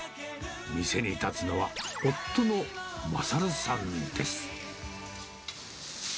店に立つのは、夫の賢さんです。